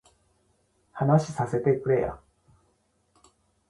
話させてくれや